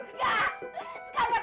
ini lebih dari cukup